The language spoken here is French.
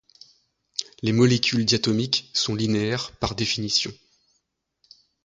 Les molécules diatomiques sont linéaires par définition.